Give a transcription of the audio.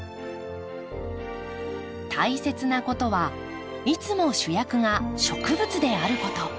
大切なことはいつも主役が植物であること。